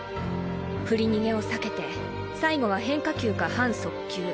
振り逃げを避けて最後は変化球か半速球。